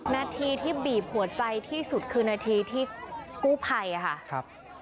นาทีที่บีบหัวใจที่สุดคือนาทีที่กู้ภัยค่ะครับ